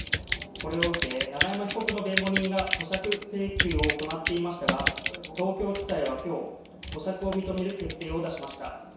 これを受け、永山被告の弁護人が保釈請求を行っていましたが、東京地裁は今日、保釈を認める決定を出しました。